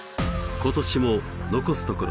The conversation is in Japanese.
今年も残すところ